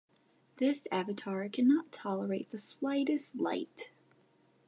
This avatar can not tolerate the slightest light.